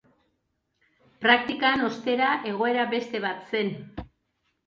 Praktikan, ostera, egoera beste bat zen.